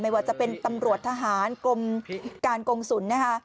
ว่าจะเป็นตำรวจทหารกรมการกงศุลนะคะ